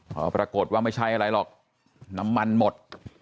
พอปรากฏว่าไม่ใช่อะไรหรอกน้ำมันหมด